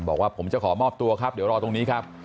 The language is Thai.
บอกว่าผมจะขอมอบตัวครับเดี๋ยวรอตรงนี้ครับ